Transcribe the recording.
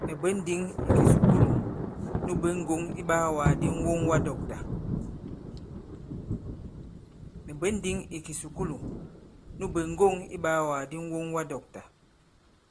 Mɛ̀ bwě ǹndǐŋ ì kìsùkulù nu bwě ŋgɔ̂ŋ iɓaawàgàdi ŋ̀woŋwadɔ̂ktà.